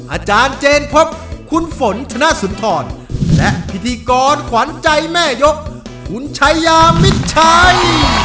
อาจารย์เจนพบคุณฝนธนสุนทรและพิธีกรขวัญใจแม่ยกคุณชายามิดชัย